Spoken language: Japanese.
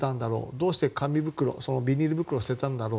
どうして紙袋ビニール袋を捨てたんだろう